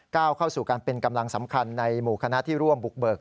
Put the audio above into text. เข้าสู่การเป็นกำลังสำคัญในหมู่คณะที่ร่วมบุกเบิก